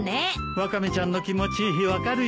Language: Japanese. ワカメちゃんの気持ち分かるよ。